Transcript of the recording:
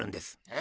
え？